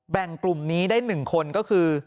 กลุ่มนี้ได้๑คนก็คือ